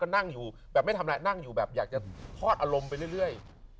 นั่งอยู่แบบไม่ทำอะไรนั่งอยู่แบบอยากจะทอดอารมณ์ไปเรื่อย